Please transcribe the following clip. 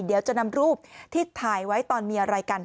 เดี๋ยวจะนำรูปที่ถ่ายไว้ตอนมีอะไรกัน